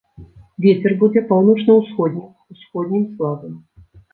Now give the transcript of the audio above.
Вецер будзе паўночна-ўсходнім, усходнім слабым.